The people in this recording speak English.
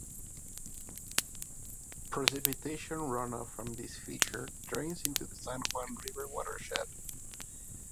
Precipitation runoff from this feature drains into the San Juan River watershed.